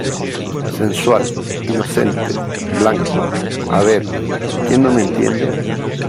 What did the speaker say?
sensual , inocente , blanco . a ver , que no me entiende .